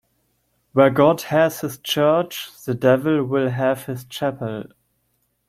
Where God has his church, the devil will have his chapel.